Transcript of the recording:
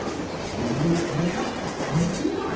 ミノルのカレーはおいしいんだ。